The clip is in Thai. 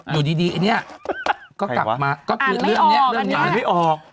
อยู่ดีไอ้เนี่ยก็กลับมาก็คือเรื่องนี้